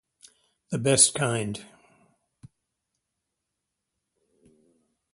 The best kind.